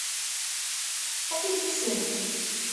Ad t-id-kksent?